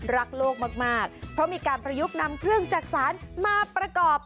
รักโลกมากเพราะมีการประยุกต์นำเครื่องจักษานมาประกอบ